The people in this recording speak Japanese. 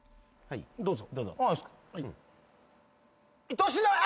どうぞ。